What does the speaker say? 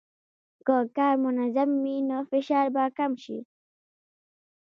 که کار منظم وي، نو فشار به کم شي.